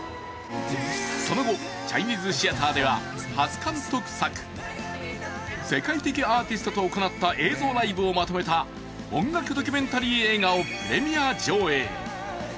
その後チャイニーズシアターでは初監督作、世界的アーティストと行った映像ライブをまとめた音楽ドキュメンタリー映画をプレミア上映。